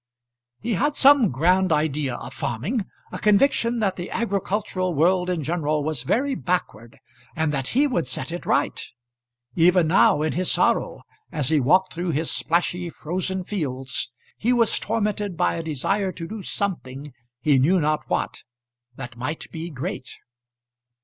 He had some grand idea of farming a conviction that the agricultural world in general was very backward, and that he would set it right. Even now in his sorrow, as he walked through his splashy, frozen fields, he was tormented by a desire to do something, he knew not what, that might be great.